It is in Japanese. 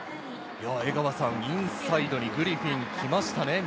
江川さん、インサイドにグリフィンきましたね。